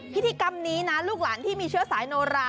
พิธีกรรมนี้นะลูกหลานที่มีเชื้อสายโนรา